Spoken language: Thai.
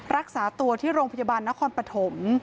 รักษาตัวที่โรงพยาบาลนครปฐม